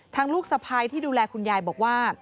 ลูกสะพ้ายที่ดูแลคุณยายบอกว่า